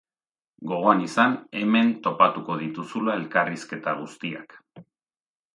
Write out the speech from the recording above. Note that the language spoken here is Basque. Gogoan izan, hemen topatuko dituzula elkarrizketa guztiak!